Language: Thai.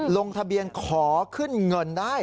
ลงทะเบียนขอขึ้นเงินได้